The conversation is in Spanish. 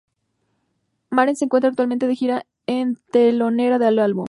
Maren se encuentra actualmente de gira en telonera del álbum.